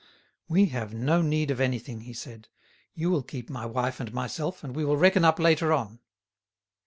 "We have no need of anything," he said; "you will keep my wife and myself, and we will reckon up later on."